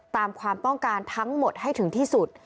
ตามความต้องการทั้งหมดให้ถึงที่สุด